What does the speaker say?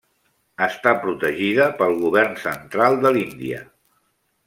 Està protegida pel govern central de l'Índia.